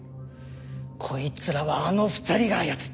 こいつらはあの２人が操ってるんだ。